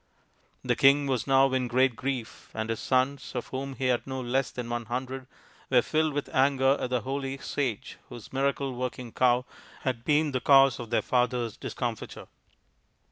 The king was now in great grief, and his sons, of whom he had no less than one hundred, were filled with anger at the holy sage whose miracle working cow had been the cause of their father's discomfiture.